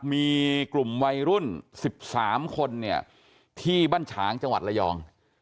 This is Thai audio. มีกลุ่มวัยรุ่น๑๓คนเนี่ยที่บ้านฉางจังหวัดระยอง